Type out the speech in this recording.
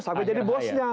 sampai jadi bosnya